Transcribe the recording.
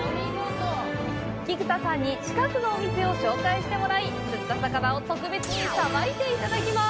菊田さんに近くのお店を紹介してもらい、釣った魚を特別にさばいていただきます！